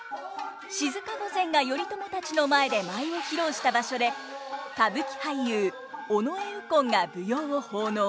静御前が頼朝たちの前で舞を披露した場所で歌舞伎俳優尾上右近が舞踊を奉納。